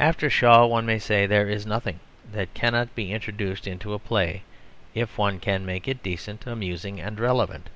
After Shaw, one may say, there is nothing that cannot be introduced into a play if one can make it decent, amusing, and relevant.